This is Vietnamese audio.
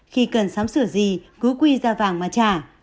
khi cần sắm sửa gì cứ quy ra vàng mà trả